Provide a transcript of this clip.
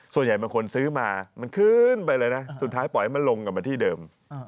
ส่วนใหญ่บางคนซื้อมามันขึ้นไปเลยนะสุดท้ายปล่อยให้มันลงกลับมาที่เดิม